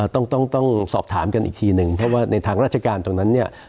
ต้องสอบถามกันอีกทีนึงเพราะว่าในทางราชการตรงนั้นเนี่ย